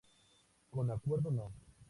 Con Acuerdo No.